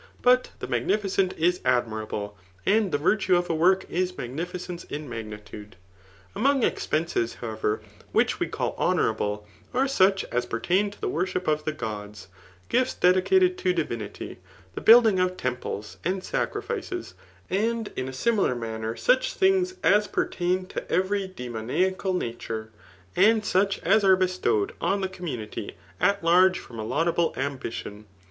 But the magnificent is admirable ; and the virtue of a work is magnificence in magnitude. Among ex* penses, however, which we call honourable, are such as pertain to the worship of the gods, gifts dedicated to di vinity, the building of temples, and sacrifice^ ; and in a similar manner such things as pertain to every demonia oal nature, and such as are bestowed on the community at large from a laudable ambition.